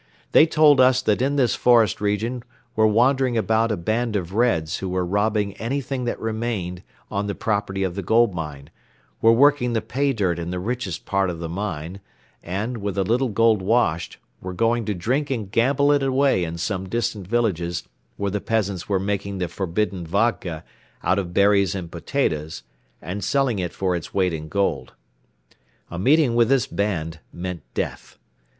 They told us that in this forest region were wandering about a band of Reds who were robbing anything that remained on the property of the gold mine, were working the pay dirt in the richest part of the mine and, with a little gold washed, were going to drink and gamble it away in some distant villages where the peasants were making the forbidden vodka out of berries and potatoes and selling it for its weight in gold. A meeting with this band meant death.